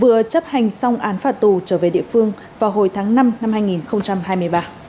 vừa chấp hành xong án phạt tù trở về địa phương vào hồi tháng năm năm hai nghìn hai mươi ba